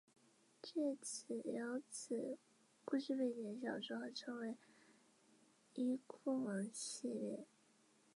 具有此故事背景的小说合称为伊库盟系列。